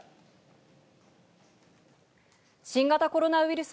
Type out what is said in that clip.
新型コロナウイルス